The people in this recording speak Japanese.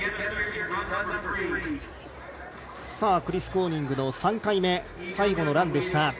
クリス・コーニングの３回目最後のランでした。